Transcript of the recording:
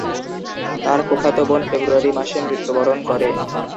তার ফুফাতো বোন ফেব্রুয়ারি মাসে মৃত্যুবরণ করে।